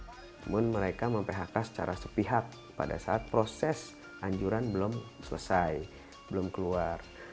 namun mereka mem phk secara sepihak pada saat proses anjuran belum selesai belum keluar